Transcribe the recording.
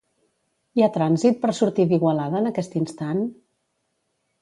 Hi ha trànsit per sortir d'Igualada en aquest instant?